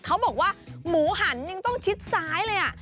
เขาบอกว่าหมูหันยังต้องชิดซ้ายเลย